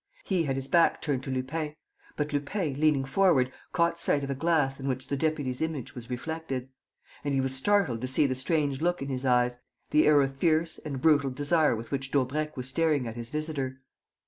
He had his back turned to Lupin; but Lupin, leaning forward, caught sight of a glass in which the deputy's image was reflected. And he was startled to see the strange look in his eyes, the air of fierce and brutal desire with which Daubrecq was staring at his visitor.